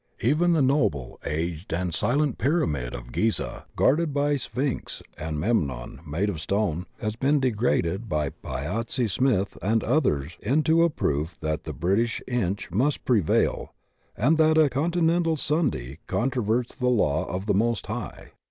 Even the noble, aged and silent pyramid of Gizeh, guarded by Sphinx and Memnon made of stone, has been degraded by Piazzi Smyth and others into a proof that the Brit ish inch must prevail and tfiat a "Continental Sunday" controverts the law of the Most High.